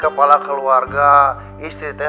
kepala keluarga istri teh